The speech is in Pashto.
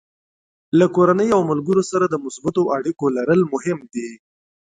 له کورنۍ او ملګرو سره د مثبتو اړیکو لرل مهم دي.